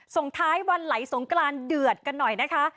ส่งท้ายวันไหลสงกรานเดือดกันหน่อยนะคะ